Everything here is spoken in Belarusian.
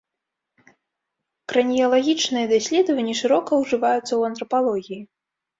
Краніялагічныя даследаванні шырока ўжываюцца ў антрапалогіі.